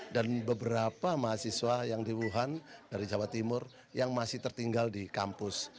dan beberapa mahasiswa yang di wuhan dari jawa timur yang masih tertinggal di kampus